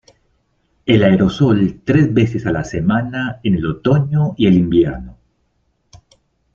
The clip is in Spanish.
El aerosol tres veces a la semana en el otoño y el invierno.